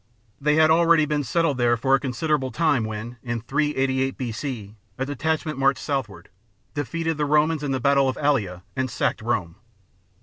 They had already been settled there for a con siderable time when, in 388 B.C., a detachment marched southward, defeated the Romans in the battle of the Allia, and sacked Rome.